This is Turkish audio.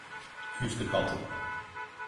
Yüz kırk altı.